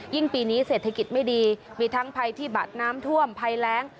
ปีนี้เศรษฐกิจไม่ดีมีทั้งภัยพิบัตรน้ำท่วมภัยแรง